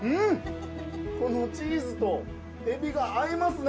このチーズとエビが合いますね。